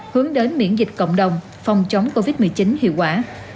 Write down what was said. hướng đến miễn dịch cộng đồng phòng chống covid một mươi chín hiệu quả